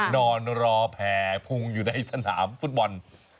นอนรอแผ่พุงอยู่ในสนามฟุตบอล